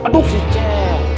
aduh si cek